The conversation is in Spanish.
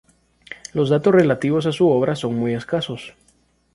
Los datos relativos a su obra son muy escasos.